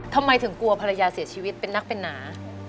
ทำไมถึงกลัวภรรยาเสียชีวิตเป็นนักเป็นหนา